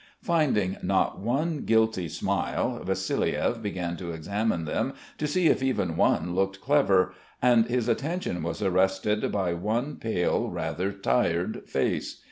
Finding not one guilty smile, Vassiliev began to examine them to see if even one looked clever and his attention was arrested by one pale, rather tired face.